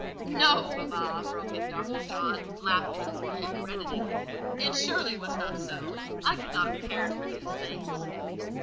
'" "No, mamma," broke in Dr. John, laughing, yet reddening; "it surely was not so: I could not have cared for these things."